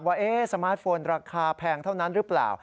ว่าสมาร์ทโฟนราคาแพงเท่านั้นหรือเปล่า